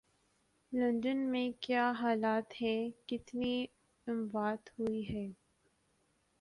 London میں کیا حالات ہیں، کتنی اموات ہوئی ہیں